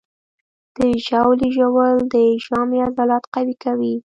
د ژاولې ژوول د ژامې عضلات قوي کوي.